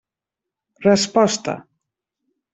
Resposta.